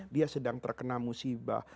dia sedang terkena musibah